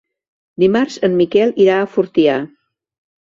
Dimarts en Miquel irà a Fortià.